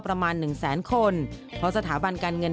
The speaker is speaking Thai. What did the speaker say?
ประมาณหนึ่งแสนคนเพราะสถาบันการเงิน